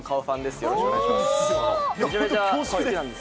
よろしくお願いします。